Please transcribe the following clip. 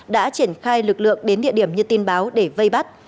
đã triển khai lực lượng đến địa điểm như tin báo để vây bắt